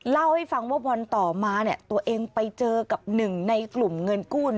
เล่าให้ฟังว่าวันต่อมาตัวเองไปเจอกับหนึ่งในกลุ่มเงินกู้